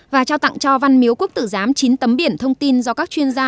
và trao tặng cho văn miếu quốc tử giám chín tấm biển thông tin do các chuyên gia